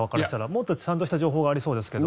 もっとちゃんとした情報がありそうですけど。